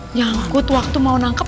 nyangkut waktu mau nangkep